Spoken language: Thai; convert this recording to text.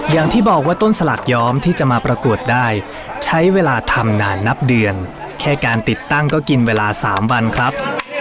อย่างที่บอกว่าต้นสลากย้อมที่จะมาประกวดได้ใช้เวลาทำนานนับเดือนแค่การติดตั้งก็กินเวลา๓วันครับ